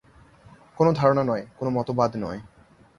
কোন ধারণা নয়, কোন মতবাদ নয়।